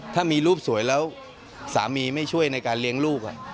ถ้ามีรูปสวยแล้วสามีไม่ช่วยในการเลี้ยงลูก